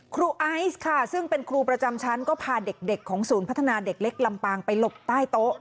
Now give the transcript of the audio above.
ไอซ์ค่ะซึ่งเป็นครูประจำชั้นก็พาเด็กของศูนย์พัฒนาเด็กเล็กลำปางไปหลบใต้โต๊ะ